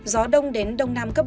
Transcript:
gió đông đến đông nam cấp bốn